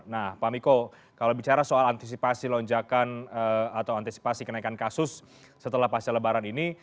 nah pak miko kalau bicara soal antisipasi lonjakan atau antisipasi kenaikan kasus setelah pasca lebaran ini